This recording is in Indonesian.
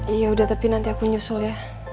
iya udah tapi nanti aku nyusul ya